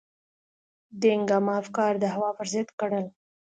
دینګ عامه افکار د هوا پر ضد کړل.